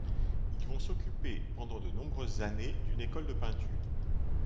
Ils vont s'occuper pendant de nombreuses années d'une école de peinture.